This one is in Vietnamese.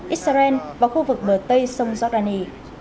israel và khu vực bờ tây sông giordani